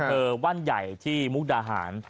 อำเภอบ้านใหญ่ที่มุกดาหาร